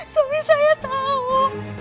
suami saya tahu